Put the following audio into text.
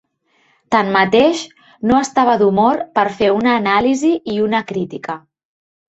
Tanmateix, no estava d'humor per fer una anàlisi i una crítica.